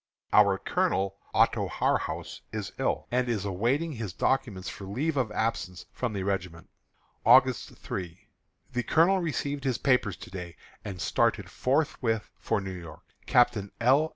Our Colonel, Otto Harhaus, is ill, and is awaiting his documents for a leave of absence from the regiment. August 3. The colonel received his papers to day, and started forthwith for New York. Captain L.